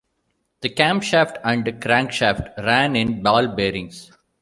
The camshaft and crankshaft ran in ball bearings.